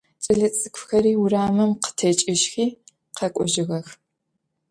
Кӏэлэцӏыкӏухэри урамым къытекӏыжьхи къэкӏожьыгъэх.